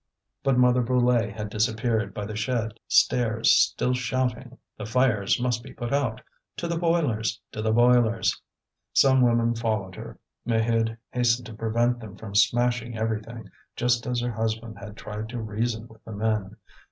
But Mother Brulé had disappeared by the shed stairs still shouting: "The fires must be put out! To the boilers! to the boilers!" Some women followed her. Maheude hastened to prevent them from smashing everything, just as her husband had tried to reason with the men.